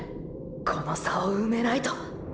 この差を埋めないと！！